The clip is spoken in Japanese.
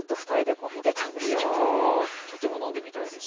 とても飲んでみたいです。